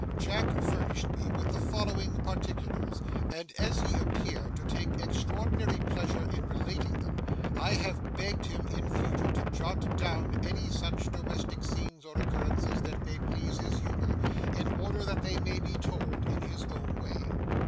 Jack furnished me with the following particulars; and as he appeared to take extraordinary pleasure in relating them, I have begged him in future to jot down any such domestic scenes or occurrences that may please his humour, in order that they may be told in his own way.